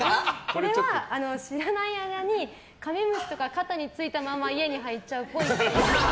これは、知らない間にカメムシとか肩についたまま家に入っちゃうっぽい。